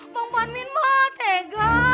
bang panmin mah tega